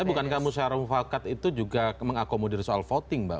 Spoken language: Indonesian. tapi bukankah musyawarah mufakat itu juga mengakomodir soal voting mbak